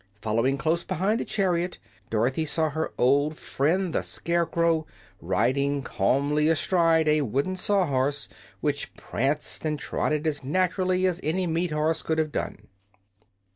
Following close behind the chariot Dorothy saw her old friend the Scarecrow, riding calmly astride a wooden Saw Horse, which pranced and trotted as naturally as any meat horse could have done.